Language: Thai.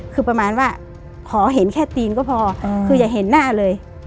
คือประมาณว่าขอเห็นแค่ตีนก็พอคืออย่าเห็นหน้าเลย